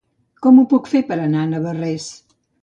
Com ho puc fer per anar a Navarrés?